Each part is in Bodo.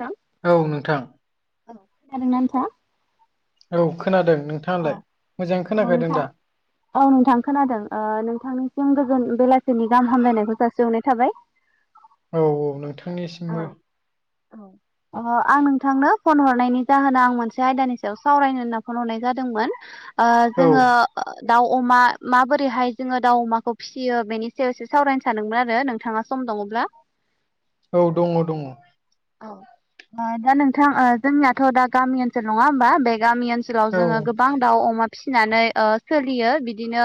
नोंथां। औ नोंथां। औ खोनादोंना नोंथाङा? औ खोनादों नोंथां। औ औ नोंथां। औ नोंथां खोनादों नोंथांनिसिम गोजोन बेलासिनि गाहाम हामलायनायखौ जासि हरनाय थाबाय। औ औ औ नोंथांनिसिमबो। औ। अ आं नोंथांनो फन हरनायनि जाहोना आं मोनसे आयदानि सायाव सावरायनो होनना फन हरनाय जादोंमोन। ओ औ जोङो। दाउ अमा माबोरैहाय जोङो दाउ अमाखौ फिसियो बेनि सायाव एसे सावरायनो सानदोंमोन आरो नोंथाङा सम दङब्ला औ दङ दङ। दा नोंथां जोंनियाथ' दा गामि ओनसोल नङा होमबा बे गामि ओनसो ओनसोलाव औ जोङो गोबां दाउ अमा फिसिनानै ओ सोलियो बिदिनो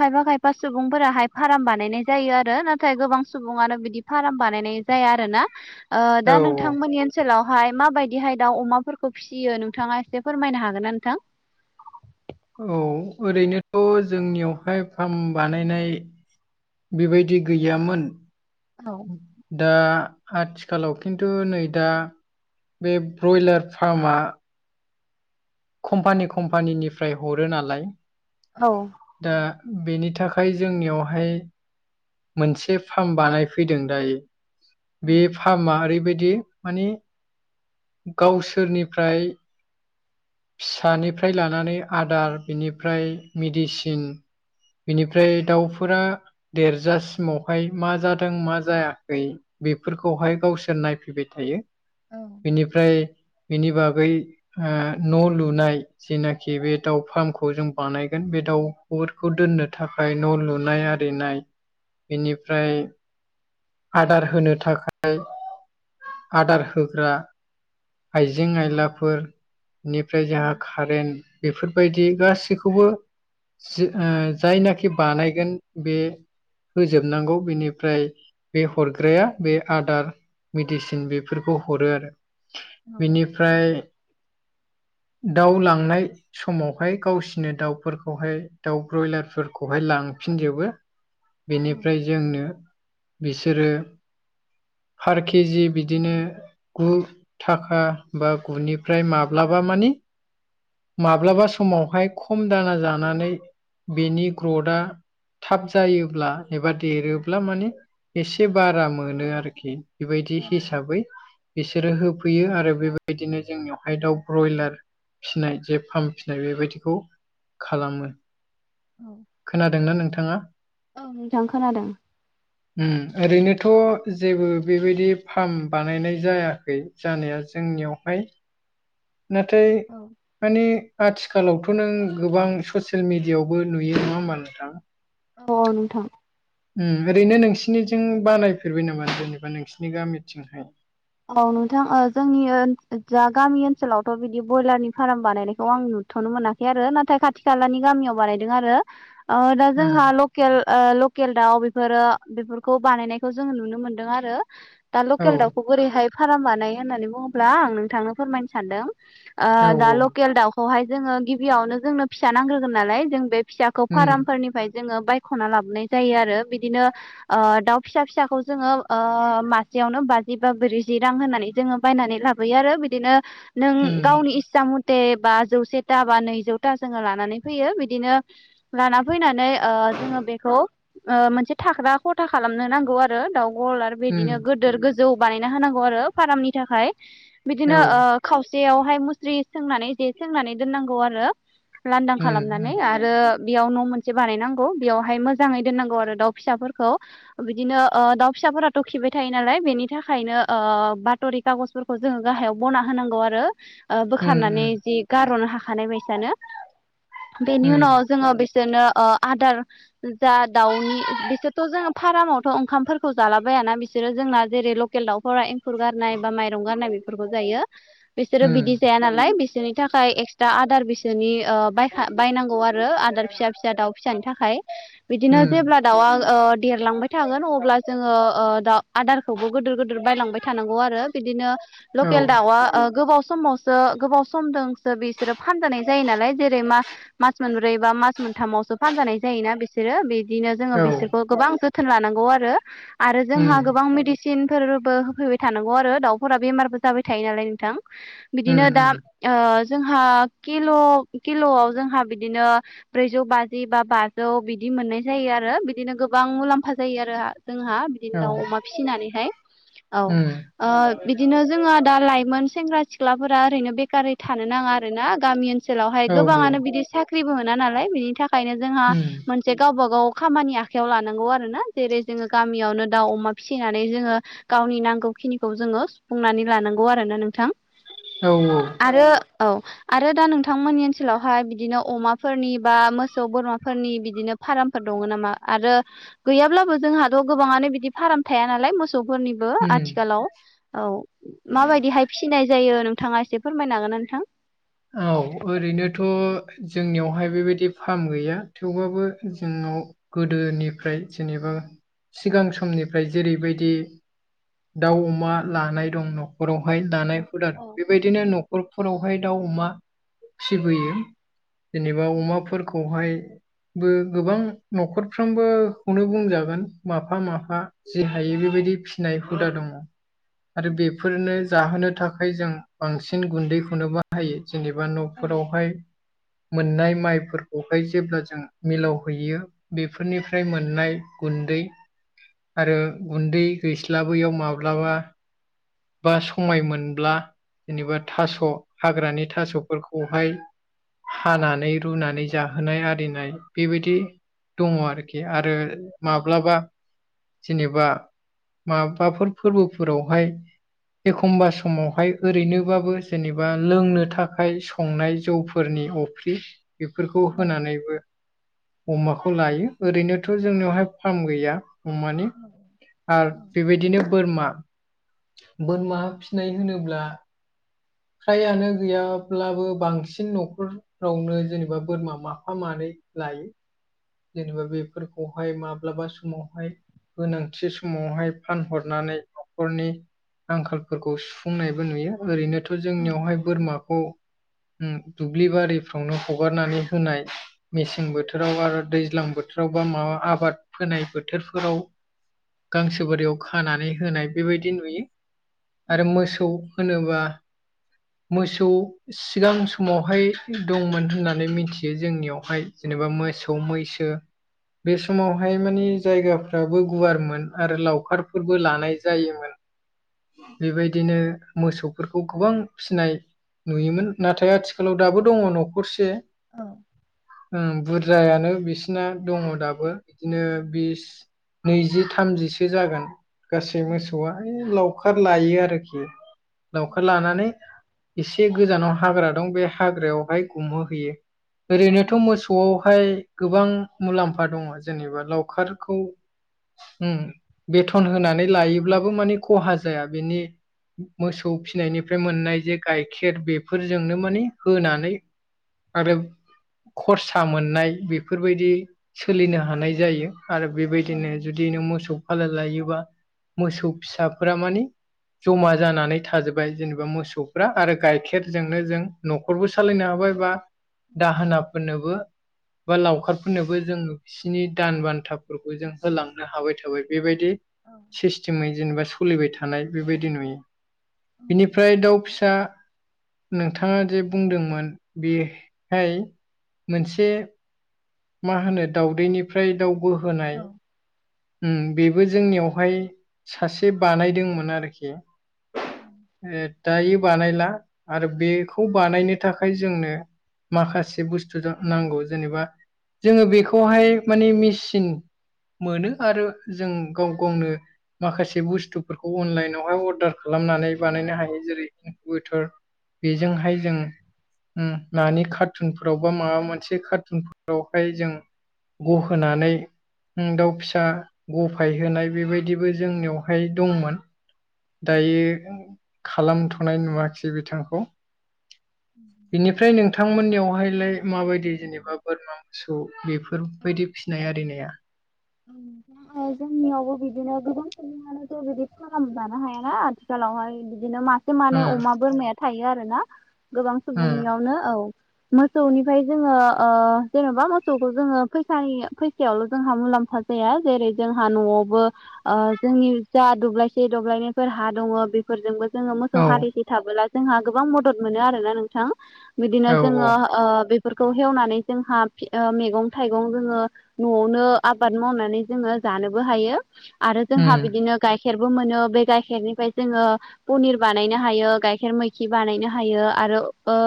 खायफा खायफा सुबुंफोराहाय फार्म बानायनाय जायो आरो नाथाय गोबां सुबुङानो बिदि फार्म बानायनाय जाया आरो ना औ दा नोंथांमोननि ओनसोलावहाय माबायदिहाय दाउ अमाफोरखौ फिसियो नोंथाङा एसे फोरमायनो हागोन ना नोंथां? औ ओरैनोथ' जोंनियावहाय फार्म बानायनाय बेबायदि गैयामोन। औ दा आथिखालाव खिन्तु नै दा बै ब्रयलार फ्रामा खम्पानि खम्पानिनिफ्राय हरो नालाय। औ। दा बेनि थाखाय जोंनियावहाय मोनसे फार्म बानायफैदों दायो औ बे फार्मा ओरैबायदि माने गावसोरनिफ्राय फिसानिफ्राय लानानै आदार बिनिफ्राय मिडिसिन बिनिफ्राय दाउफोरा देरजासिमावहाय मा जादों मा जायाखै बेफोरखौहाय गावसोर नायफैबाय थायो। बिनिफ्राय बिनि बागै ओ न' लुनाय जेनाखि बे दाउ फार्मखौ जों बानायगोन बे दाउफोरखौ दोननो थाखाय। फ्राय न' लुनाय आरिनाय बेनिफ्राय आदार होनो थाखाय। आदार होग्रा आइजें-आयलाफोरनिफ्राय जोहा खारेन्ट बेफोरबायदि गासिखौबो जों ओ जायनाखि बानायगोन बे होजोबनांगौ बेनिफ्राय बे हरग्राया बे आदार मेडिसिन बेफोरखौ हरो आरो बेनि फ्राय दाउ लांनाय समावहाय गावसिनो दाउफोरखौहाय दाउ ब्रयलारफोरखौहाय लांफिनजोबो बेनिफ्राय जोंनो बिसोरो फार केजि बिदिनो गु थाखा बा गुनिफ्राय माब्लाबा मानि माब्लाबा समावहाय खम दाना जानानै बेनि ग्रदआ थाब जायोब्ला एबा देरोब्ला माने एसे बारा मोनो आरोखि बेबायदि हिसाबै इसोरो होफैयो आरो बेबायदिनो जोंनियावहाय दाउ ब्रयलार फिनाय जे फाम फिनाय बेबायदिखौ खालामो। खोनादोंना नोंथाङा? औ नोंथां खोनादों। ओम ओरैनोथ' जेबो बेबायदि फार्म बानायनाय जायाखै। जानाया जोंनियावहाय नाथाय माने आथिखालावथ' नों गोबां ससियेल मिडियावबो नुयो नङा होमबा नोंथां? अ नोंथां। ओम ओरैनो नोंसिनिथिं बानायफेरबाय नामा जेनेबा नोंसिनि गामिथिंहाय? औ नोंथां ओ जोंनि ओ जा गामि ओनसोलावथ' बिदि ब्रयलारनि फार्म बानायनायखौ आं नु थ'नो मोनाखै आरो नाथाय खाथि खालानि गामियाव बानायदों आरो ओ दा जोंहा ओ ल केल ओ लकेल दाउ बेफोरो बेफोरखौ बानायनायखौ जोङो नुनो मोनदों आरो। दा औ लकेल दाउखौ बोरैहाय फार्म बानायो होननानै बुङोब्ला आं नोंथांनो फोरमायनो सानदों। ओ औ दा लकेल दाउखौहाय जोङो गिबियावनो जोंनो फिसा नांग्रोगोन नालाय जों बे फिसाखौ उम फार्मफोरनिफ्राय जोङो बायख'ना लाबोनाय जायो आरो बिदिनो ओ दाउ फिसा फिसाखौ जोङो ओ मासेयावनो बाजि जि बा ब्रैजि रां होनानै जोङो बायनानै लाबोयो आरो बिदिनो नों उम गावनि सामुथे बा जौसेता बा नैजौता जोङो लानानै फैयो बिदिनो लाना फैनानै ओ जोङो बेखौ ओ मोनसे थाग्रा ख'था खालामनो नांगौ आरो दाउ गलार उम बिदिनो गोदोर गो जौ बानायना होनांगौ आरो फार्मनि थाखाय औ बिदिनो ओ खावसेयावहाय मुस्रि सोंनानै जे सोंनानै दोननांगौ आरो लांदां उम खालामनानै उम आ रो बेयाव न' मोनसे बानायनांगौ बेयावहाय मोजाङै दोननांगौ आरो दाउ फिसाफोरखौ बिदिनो दाउ फिसाफोराथ' खिबाय थायो नालाय बेनि बिनि थाखायनो बात'रि कागजफोरखौ जोङो गाहायाव बना होनांगौ आरो। बोखारनानै उम जि गारहरनो हाखानाय बायसानो बेनि उम उनाव जोङो बिसोरनो आदार जा दाउनि बिसोरथ' जोङो फार्मावथ' ओंखामफोरखौ जालाबायाना बिसोरो जोंना जेरै ल केल दाउफोरा एंखुर गारनाय बा माइरं गारनाय बेफोरखौ जायो बिसोरो उम बिदि जाया नालाय बिसोरनि थाखाय एक्सट्रा आदार बेसोरनि बायनांगौ आरो आदार फिसा फिसा दाउ फिसानि थाखाय बिदिनो उम जेब्ला दाउआ देरलांबाय थागोन अब्ला जोङो दाउ आदारखौबो गिदिर गिदिर बायलांबाय थानांगौ आरो बिदिनो औ लकेल दाउआ गोबाव समाव गोबाव समजोंसो बिसोरो फानजानाय जायो नालाय जेरै मा मास मोनब्रै बा मास मोनथामावसो फानजानाय जायोना बे बिसोरो बिदिनो जोङो औ बिसोरखौ गोबां जोथोन लानांगौ आरो आरो उम जोंहा उम गोबां मेडिसिन सिनफोरबो होफैबाय थानांगौ आरो दाउफोरा बेमारबो जाबाय थायो नालाय नोंथां बिदिनो दा उम ओ जोंहा किल' किल'आव जोंहा बिदिनो ब्रैजौ बाजि बा बाजौ बिदि मोननाय जायो आरो बिदिनो गोबां मुलाम्फा जायो आरो जोंहा। बिदिनो औ दाउ अमा फिसिनानैहाय औ। उम बिदिनो जोङो दा लाइमोन सेंग्रा सिख्लाफोरा ओरैनो बेखारै थानो नाङा आरोना गामि ओनसोलावहाय औ उम गोबाङानो बिदि साख्रिबो मोना नालाय बिनि थाखायनो जोंहा मोनसे गावबा गाव खामानि आखाइयाव लानांगौ आरो ना जेरै जोङो गामियावनो दाउ अमा फिसिनानै जोङो गावनि नांगौ खिनिखौ जोङो सुफुंनानै लानांगौ आरोना नोंथां। औ आरो औ। आरो दा नोंथांमोननि ओनसोलावहाय बिदिनो अमाफोरनि बा मोसौ बोरमाफोरनि बिदिनो फारामफोर दङ नामा आरो गैयाब्लाबो जोंहाथ' गोबाङानो बिदि फाराम थाया नालाय मोसौफोरनिबो उम आथिखालाव औ माबायदिहाय फिसिनाय जायो नों नोंथाङा एसे फोरमायनो हागोन ना नोंथां? औ ओरैनोथ' जोंनियावहाय बेबायदि फार्म गैया थेवबाबो जोंनाव गोदोनिफ्राय जेनेबा सिगां समनिफ्राय जेरैबायदि दाउ अमा लानाय दं न'खरावहाय लानाय औ बेबायदिनो न'खरफोरावहाय दाउ अमा फिबोयो जेनेबा अमाफोरखौहाय बो गोबां न'खरफ्रामबोखौनो बुंजागोन माफा माफा जि हायो बेबायदि फिसिनाय हुदा दङ। आरो बेफोरनो जाहोनो थाखाय जों बांसिन गुन्दैखौनो बाहायो। जेनेबा न'फोरावहाय मोननाय माइफोरखौहाय जेब्ला जों मिलाव हैैयो। बेफोरनिफ्राय मोननाय गुन्दै आरो गुन्दै गैस्लाबैयाव माब्लाबा बा समाय मोनब्ला जेनेबा थास' हाग्रानि थास'फोरखौहाय हानानै रुनानै जाहोनाय आरिनाय बेबायदि दङ आरोखि आरो माब्लाबा जेनेबा माबाफोर फोरबोफोरावहाय एखमबा समावहाय ओरैनोबाबो जेनेबा लोंनो थाखाय संनाय जौफोरनि अ फ्रि बेफोरखौ होनानैबो अमाखौ लायो ओरैनोथ' जोंनियावहाय फार्म गैया। अमानि आरो बेबायदिनो बोरमा बोरमा फिसिनाय होनोब्ला फ्रायानो गैयाब्लाबो बांसिन न'खर रावनो जेनेबा बोरमा माफा मानै लायो जेनेबा बेफोरखौ हाय माब्लाबा समावहाय गोनांथि समावहाय फानहरनानै न'खरनि आंखालफोरखौ सुफुंनायबो नुयो ओरैनोथ' जोंनियावहाय बोरमाखौ दुब्लि बारिफ्रावनो हगारनानै होनाय मेसें बोथोराव आरो दैज्लां बोथोराव बा माबा आबाद फोनाय बोथोरफोराव गांसो बोरियाव खानानै होनाय बेबायदि नुयो। आरो मोसौ होनोबा मोसौ सिगां समावहाय दंमोन होननानै मिथियो जोंनियावहाय जेनेबा मोसौ मैसो बे समावहाय माने जायगाफ्राबो गुवारमोन आरो लावखारफोरबो लानाय जायोमोन। [inaudible] बेबायदिनो मोसौफोरखौ गोबां फिनाय नुयोमोन नाथाय आथिखालाव दाबो दंङो न'खरसे औ। बुरजायानो बिसिना दंङो दाबो बिदिनो बिस नैजि थामजिसो जागोन गासै मोसौआ इ लावखार लायो आरोखि लावखार लानानै एसे गोजानाव हाग्रा दं बे हाग्रायावहाय गुमहोहैयो। ओरैनोथ' मोसौआवहाय गोबां मुलाम्फा दंङो जेनेबा लावखारखौ उम बेथन होनानै लायोब्लाबो माने खहा जाया बेनि मोसौ फिनायनिफ्राय मोननाय जे गाइखेर बेफोरजोंनो माने होनानै आरो खरस मोन नाय बेफोरबायदि सोलिनो हानाय जायो आरो बेबायदिनो जुदि नों मोसौ फाल लायोबा मोसौ फिसाफोरा माने जमा जानानै थाजोब्बाय जेनेबा मोसौफ्रा आरो गाइखेरजोंनो जों न'खरबो सालायनो हाबाय बा दाहोनाफोरनोबो बा लावखारफोरनोबो जों बिसोरनि दान बान्थाफोरखौ जों होलांनो हाबाय थाबाय बेबायदि औ। सिस्टेमै जेनेबा सोलिबाय थानाय बेबायदि नुयो। बिनिफ्राय दाउ फिसा नोंथांङा जे बुंदोंमोन बेहाय मोनसे मा होनो दाउदैनिफ्राय दाउ बोहोनाय। उम बेबो जोंनियावहाय सासे बानायदोंमोन आरोखि। दायो बानायला आरो बेखौ बानायनो थाखाय जोंनो माखासे बुस्थु नांगौ जेनेबा जोंङो बेखौहाय माने मेसिन मोनो। आरो जों गाव गावनो माखासे बुस्थुफोरखौ अनलाइनावहाय अर्दार खालामनानै बानायनो हायो जेरै इनकटार बेजोंहाय जों उम नानि कारटुनफोराव बा माबा मोनसे कारटुनफोरावहाय जों गहोनानै दाउ फि दा गफाय होनाय बेबायदिबो जोंनियावहाय दंमोन। दायो खालामथ'नाय नुवाखैसै बिथांखौ। बिनिफ्राय नोंथांमोननियावहायलाय माबायदि जेनेबा बोरमा मोसौ बेफोरबायदि फिसिनाय आरिनाया? जोंनि आबो बिदिनो मानो बिदि खालामाह लानो हायाना आथिखालावहाय बिदिनो मास एसे माने उम अमा बोरमाया थायो आरो ना गोबां उम सुबुंनियावनो औ। मोसौनिफ्राय जोंङो जेन'बा मोसौखौ जोंङो फैसानि फैसायावल' जोंहा मुलाम्फा जाया जेरै जोंहा न'आवबो जोंनि जा दब्लायसे दब्लायनायफोर हा दंङो बेफोरजोंबो जोंङो मोसौ औ हालिसे थाबोला जोंहा गोबां मदद मोनो आरोना नोंथां बिदिनो औ औ जोंङो ओ फोर हवनानै जोंहा मैगं थाइगं जोंङो न'आवनो आ आबाद मावनानै जोंङो जानोबो हायो आरो जोंहा उम बिदिनो गाइ खेरबो मोनो बे गाइखेरनिफ्राय जोङो पनिर बानायनो हायो गाइखेर मैखि बानायनो हायो आरो ओ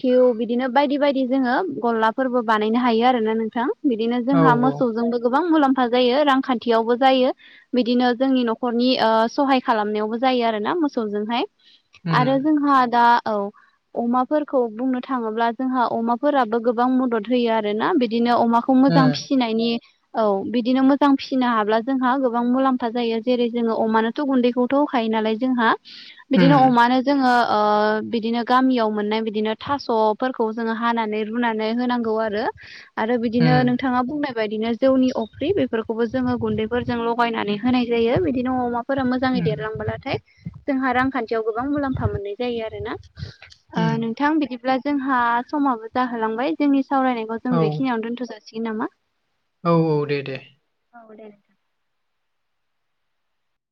थ बिदिनो बायदि बायदि जोङो गरलाफोरबो बानायनो हायो आरोना नोंथां। बिदिनो औ जोंहा औ मोसौजोंबो गोबां मुलाम्फा जायो रांखान्थियावबो जायो। बिदिनो जोंनि न'खरनि सहाय खालामनायावबो जायो आरो ना मोसौजोंहाय उम आरो जोंहा दा औ अमाफोरखौ बुंनो थाङोब्ला जोंहा अमाफोराबो गोबां मदद होयो आरो ना बिदिनो अमाखौ खौ मोजां उम फिसिनायनि औ बिदिनो मोजां फिसिनो हाब्ला जोंहा गोबां मुलाम्फा जायो जेरै जोङो अमानो थ' गुन्दैखौथ' होखायो नालाय जोंहा बिदिनो उम अमानो जोङो बिदिनो गामियाव मोननाय बिदिनो थास'फोरखौ जोङो हानानै रुनानै होनांगौ आरो आरो बिदिनो उम नोंथाङा बुंनाय बायदिनो जौनि अफ्रि बेफोरखौबो जोङो गुन्दैफोरजों लगायनानै होनाय जायो बिदिनो अमा फोर मोजांङै उम देरलांलाथाय जोंहा रांखान्थियाव गोबां मुलाम्फा मोननाय जायो आरो ना। उम नोंथां बिदिब्ला जोंहा समाबो जाहोलांबाय जोंनि सावरायनायखौ जों औ बेखिनियावनो दोनथ' जासि सै नामा? औ औ दे दे। औ दे।